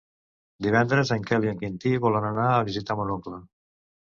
Divendres en Quel i en Quintí volen anar a visitar mon oncle.